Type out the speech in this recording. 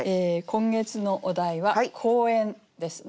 今月のお題は「公園」ですね。